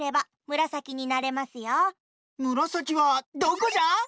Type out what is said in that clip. むらさきはどこじゃ？